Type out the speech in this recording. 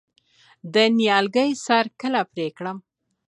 د نیالګي سر کله پرې کړم؟